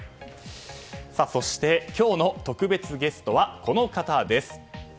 そして、今日の特別ゲストはこの方です。